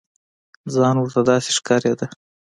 ځان ورته داسې ښکارېده.